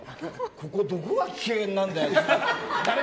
ここどこが危険なんだよって。